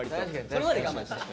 それまで我慢して。